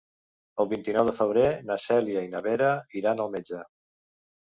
El vint-i-nou de febrer na Cèlia i na Vera iran al metge.